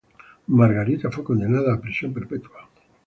Margarita fue condenada a prisión perpetua.